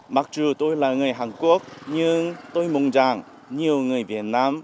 mặc dù tôi là người hàn quốc nhưng tôi mong rằng nhiều người việt nam